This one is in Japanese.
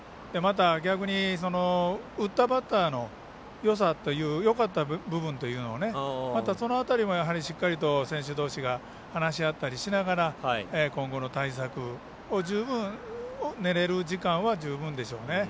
逆に打ったバッターのよさよかった部分というのをまた、その辺りもしっかりと選手どうしが話し合ったりしながら今後の対策を十分練れる時間は十分でしょうね。